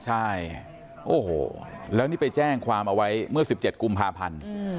ใช่โอ้โหแล้วนี่ไปแจ้งความเอาไว้เมื่อ๑๗กุมภาพันธ์